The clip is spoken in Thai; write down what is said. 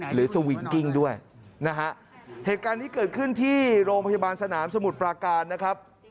สวิงกิ้งด้วยนะฮะเหตุการณ์นี้เกิดขึ้นที่โรงพยาบาลสนามสมุทรปราการนะครับ